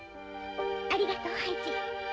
ありがとうハイジ。